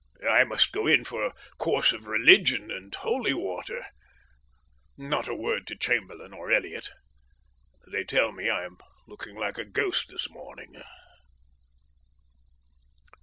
I must go in for a course of religion and holy water. Not a word to Chamberlain or Elliott. They tell me I am looking like a ghost this morning.